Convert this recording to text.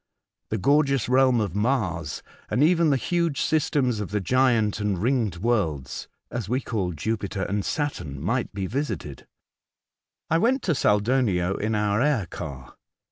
The gorgeous realm of Mars, and even the huge systems of the giant and the ringed worlds (as we call Jupiter and Saturn) might be visited. I went to Saldonio in our air car.